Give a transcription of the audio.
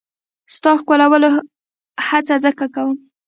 ستا ښکلولو هڅه ځکه کوم.